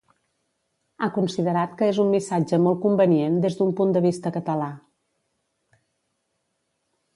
Ha considerat que és un missatge molt convenient des d'un punt de vista català.